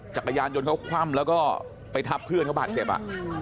จักรยานยนต์เขาคว่ำแล้วก็ไปทับเพื่อนเขาบาดเจ็บอ่ะ